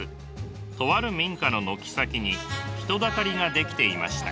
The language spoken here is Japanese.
とある民家の軒先に人だかりが出来ていました。